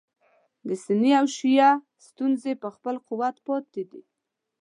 د سني او شیعه ستونزه په خپل قوت پاتې ده.